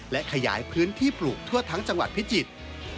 และขยายพื้นที่ปลูกทั่วทั้งจังหวัดพิจิตร